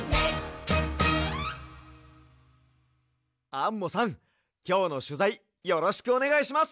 アンモさんきょうのしゅざいよろしくおねがいします。